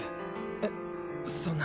え⁉そんな。